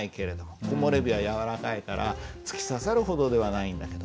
「木漏れ日はやわらかいから突き刺さるほどではないんだけど」。